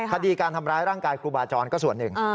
คดีการทำร้ายร่างกายครูบาจรก็ส่วนหนึ่ง